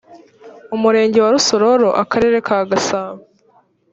umurenge wa rusororo akarere ka gasabo